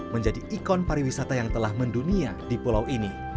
menjadi ikon pariwisata yang telah mendunia di pulau ini